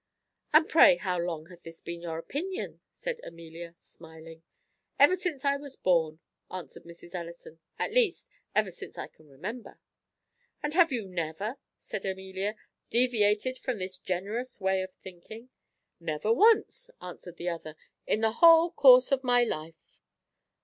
"And pray how long hath this been your opinion?" said Amelia, smiling. "Ever since I was born," answered Mrs. Ellison; "at least, ever since I can remember." "And have you never," said Amelia, "deviated from this generous way of thinking?" "Never once," answered the other, "in the whole course of my life."